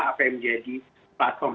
apa yang menjadi platform